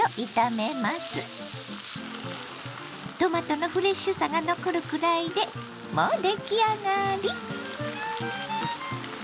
トマトのフレッシュさが残るくらいでもう出来上がり！